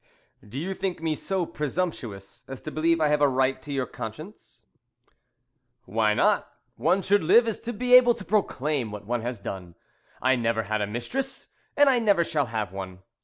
"Do you think me so presumptuous as to believe I have a right to your conscience?" "Why not? One should live so as to be able to proclaim what one has done. I never had a mistress, and I never shall have one.